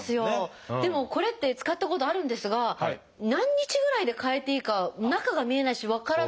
でもこれって使ったことあるんですが何日ぐらいで替えていいか中が見えないし分からなくて。